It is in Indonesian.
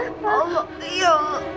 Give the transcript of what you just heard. ya allah ibu